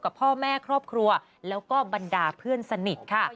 กับพ่อแม่ครอบครัวแล้วก็บรรดาเพื่อนสนิทค่ะ